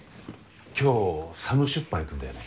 今日ＳＡＭ出版行くんだよね？